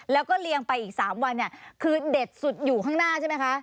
แล้วก็เรียงไปอีก๓วันเนี่ยคือเด็ดสุดอยู่ข้างหน้าใช่ไหมคะ